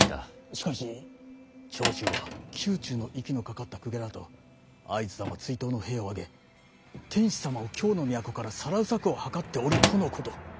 しかし長州は宮中の息のかかった公家らと会津様追討の兵を挙げ天子様を京の都からさらう策を謀っておるとのこと。